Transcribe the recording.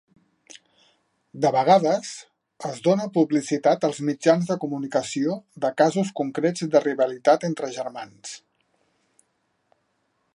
De vegades, es dóna publicitat als mitjans de comunicació de casos concrets de rivalitat entre germans.